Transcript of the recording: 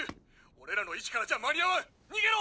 俺らの位置からじゃ間に合わん逃げろ！